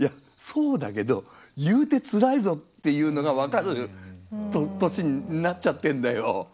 そうだけど言うてつらいぞっていうのが分かる年になっちゃってんだよ。